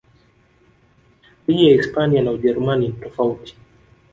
ligi ya hispania na ujerumani ni tofauti